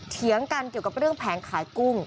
เถียงกันเกี่ยวกับเรื่องแผงขายกุ้ง